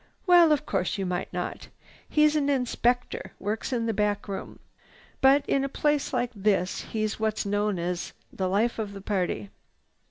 Well, of course you might not. He's an inspector, works in a back room. But in a place like this he's what's known as the life of the party.